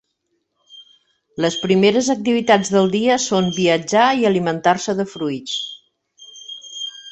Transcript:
Les primeres activitats del dia són viatjar i alimentar-se de fruits.